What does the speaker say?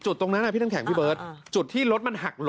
จุดตรงนั้นพี่ตั้งแข่งพี่เบิร์ท